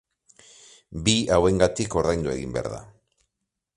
Bi hauengatik ordaindu egin behar da.